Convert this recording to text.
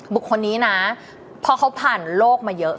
บุคคลนี้นะเพราะเขาผ่านโลกมาเยอะ